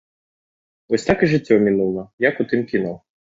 Вось так і жыццё мінула, як у тым кіно.